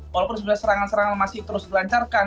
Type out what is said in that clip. walaupun sebenarnya serangan serangan masih terus dilancarkan